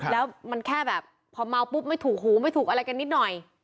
แล้วมันแค่แบบพอเมาปุ๊บไม่ถูกหูไม่ถูกอะไรกันนิดหน่อย